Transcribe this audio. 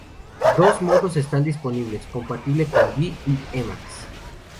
Dos modos están disponibles, compatible con vi y emacs.